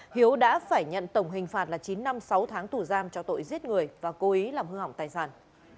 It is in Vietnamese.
hiếu đã phải nhận tổng hình phạt là chín năm sáu tháng tù giam cho tội giết người và cố ý làm hư hỏng tài sản